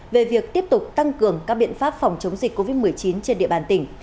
về việc tiếp tục tăng cường các biện pháp phòng chống dịch covid một mươi chín trên địa bàn tỉnh